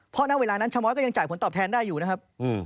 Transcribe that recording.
เพราะณเวลานั้นชะม้อยก็ยังจ่ายผลตอบแทนได้อยู่นะครับ